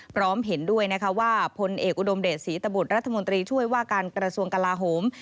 พร้อมเห็นด้วยนะคะว่าพลเอกอุดมเดชศรีตบุตรรัฐมนตรีช่วยว่าการกระทรวงกลาโหม